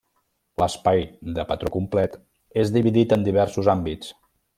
L'espai de patró complet és dividit en diversos àmbits.